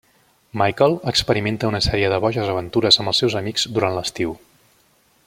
Michael experimenta una sèrie de boges aventures amb els seus amics durant l'estiu.